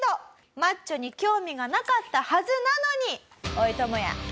マッチョに興味がなかったはずなのにおいトモヤ。